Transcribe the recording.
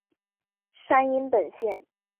山阴本线。